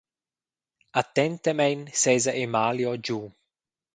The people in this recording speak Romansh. Attentamein sesa Emalio giu.